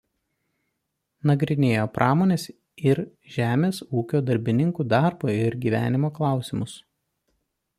Nagrinėjo pramonės ir žemės ūkio darbininkų darbo ir gyvenimo klausimus.